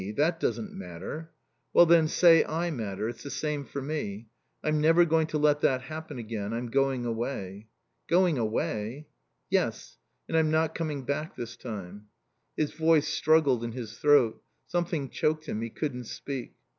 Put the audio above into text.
That doesn't matter." "Well, then, say I matter. It's the same for me. I'm never going to let that happen again. I'm going away." "Going away " "Yes. And I'm not coming back this time." His voice struggled in his throat. Something choked him. He couldn't speak.